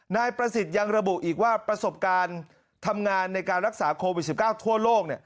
นายประสิทธิ์ยังระบุอีกว่าประสบการณ์ทำงานในการรักษาโควิด๑๙ทั่วโลก